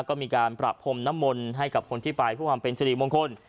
ก็มีการประพรมน้ำมนต์ให้กับคนที่ไปเพื่อความเป็นสิริมงคล